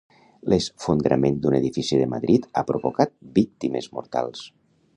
L'esfondrament d'un edifici de Madrid ha provocat víctimes mortals.